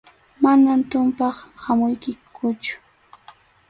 Manam tumpaq hamuykikuchu.